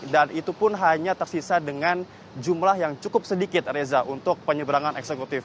dan itu pun hanya tersisa dengan jumlah yang cukup sedikit reza untuk penyeberangan eksekutif